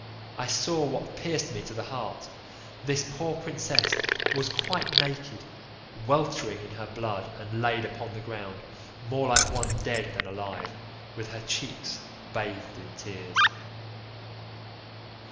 I saw what pierced me to the heart; this poor princess was quite naked, weltering in her blood, and laid upon the ground, more like one dead than alive, with her cheeks bathed in tears.